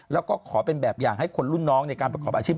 แล้วก็ขอเป็นแบบอย่างให้คนรุ่นน้องในการประกอบอาชีพ